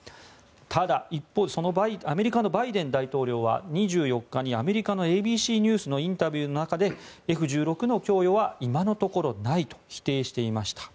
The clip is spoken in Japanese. ただ、一方アメリカのバイデン大統領は２４日にアメリカのＡＢＣニュースのインタビューの中でＦ１６の供与は今のところないと否定していました。